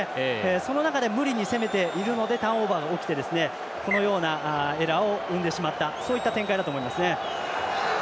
その中で無理に攻めているのでターンオーバーが起きてこのようなエラーを生んでしまった展開だと思います。